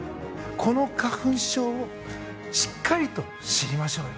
この花粉症をしっかりと知りましょうよ。